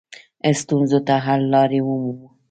ستونزو ته حل لارې ومومو.